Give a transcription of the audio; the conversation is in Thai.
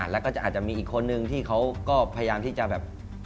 แล้วก็อาจจะมีอีกคนนึงที่เขาก็พยายามที่จะแบบ